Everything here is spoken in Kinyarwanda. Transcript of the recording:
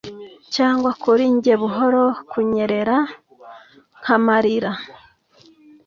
Cyangwa kuri njye buhoro kunyerera nkamarira